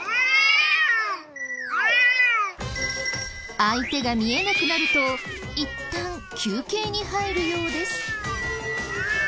相手が見えなくなるといったん休憩に入るようです。